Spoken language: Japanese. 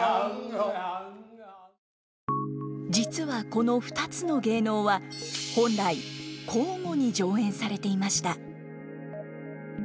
実はこの２つの芸能は本来交互に上演されていました。